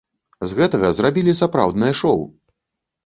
З гэтага зрабілі сапраўднае шоў!